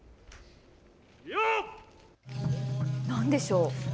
何でしょう？